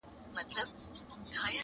د هیلو تر مزاره مي اجل راته راغلی-